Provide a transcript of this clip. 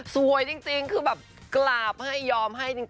สวยจริงคือแบบกราบให้ยอมให้จริง